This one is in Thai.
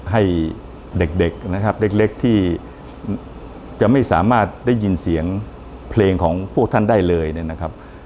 ให้เด็กนะครับเล็กที่จะไม่สามารถได้ยินเสียงเพลงของพวกท่านได้เลยเนี่ยนะครับ